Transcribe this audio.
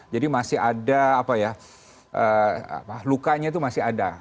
jadi masih ada apa ya lukanya itu masih ada